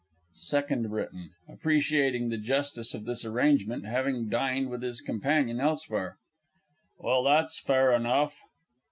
SECOND B. (appreciating the justice of this arrangement, having dined with his companion elsewhere). Well, that's fair enough.